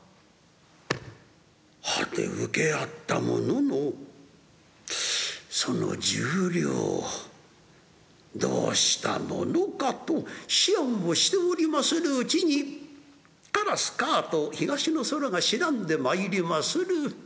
はて請け合ったもののその１０両どうしたものかと思案をしておりまするうちにカラスカと東の空が白んでまいりまする。